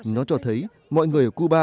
nó cho thấy mọi người ở cuba